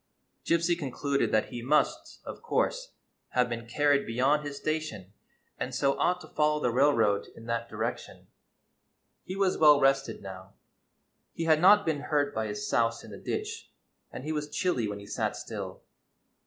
Gypsy concluded that he must, of course, have been carried beyond his station, and so ought to fol low the railroad in that direction. He was well rested now; he had not been hurt by his souse in the ditch, and he was chilly when he sat still.